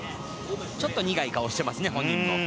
ちょっと苦い顔をしていますね、本人も。